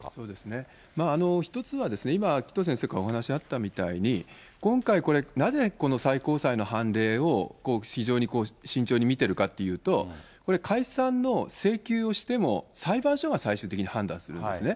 一つはですね、今、紀藤先生からお話あったみたいに、今回、これなぜこの最高裁の判例を非常に慎重に見てるかっていうと、これ解散請求をしても、裁判所が最終的に判断するんですね。